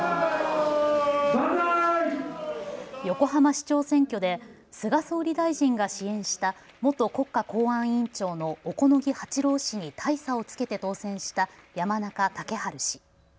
横浜市長選挙で菅総理大臣が支援した元国家公安委員長の小此木八郎氏に大差をつけて当選した山中竹春氏。